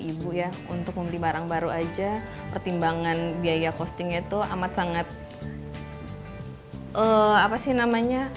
ibu ya untuk membeli barang baru aja pertimbangan biaya costingnya tuh amat sangat apa sih namanya